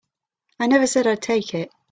I never said I'd take it.